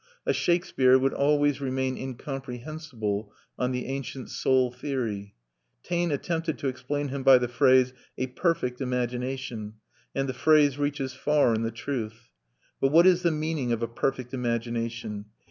A Shakespeare would always remain incomprehensible on the ancient soul theory. Taine attempted to explain him by the phrase, "a perfect imagination;" and the phrase reaches far in the truth. But what is the meaning of a perfect imagination?